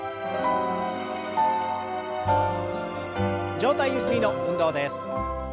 上体ゆすりの運動です。